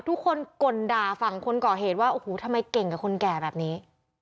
ทุกคนกลด่าฝั่งคนก่อเหตุว่าโอ้โหทำไมเก่งกับคนแก่แบบนี้